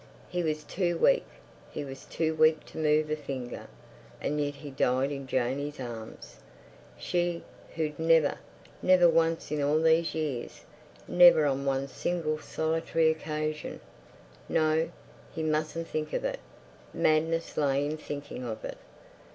... "He was too weak. He was too weak to move a finger." And yet he died in Janey's arms. She—who'd never—never once in all these years—never on one single solitary occasion— No; he mustn't think of it. Madness lay in thinking of it.